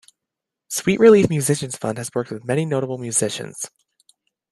Sweet Relief Musicians Fund has worked with many notable musicians.